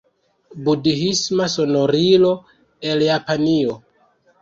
Budhisma sonorilo el Japanio.